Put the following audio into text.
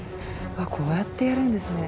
こうやってやるんですね。